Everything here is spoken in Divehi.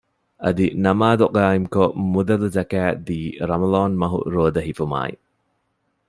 އަދި ނަމާދު ޤާއިމުކޮށް މުދަލު ޒަކާތް ދީ ރަމަޟާން މަހު ރޯދަ ހިފުުމާއި